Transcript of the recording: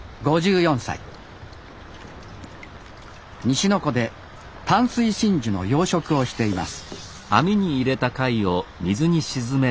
西の湖で淡水真珠の養殖をしています